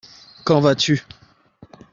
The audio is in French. Quand vas-tu ?